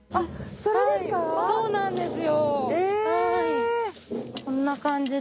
そうなんですよ。